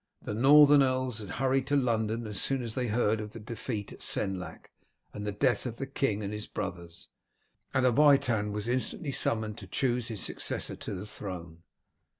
The Northern earls had hurried to London as soon as they heard of the defeat at Senlac and the death of the king and his brothers, and a Witan was instantly summoned to choose his successor to the throne.